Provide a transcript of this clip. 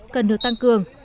cần được tăng cường